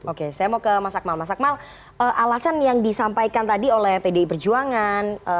oke saya mau ke mas akmal mas akmal alasan yang disampaikan tadi oleh pdi perjuangan